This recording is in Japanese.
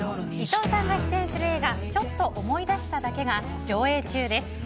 伊藤さんが出演する映画「ちょっと思い出しただけ」が上映中です。